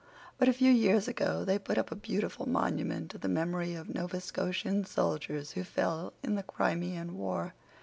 But a few years ago they put up a beautiful monument to the memory of Nova Scotian soldiers who fell in the Crimean War.